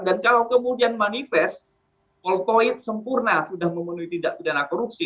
dan kalau kemudian manifest voltoid sempurna sudah memenuhi tindak pidana korupsi